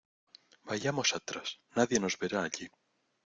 Vayamos atrás. Nadie nos verá allí .